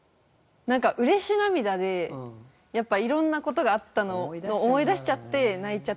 なんかうれし涙でやっぱいろんな事があったのを思い出しちゃって泣いちゃってたんで。